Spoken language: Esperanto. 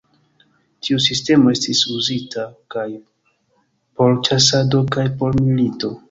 Tiu sistemo estis uzita kaj por ĉasado kaj por milito.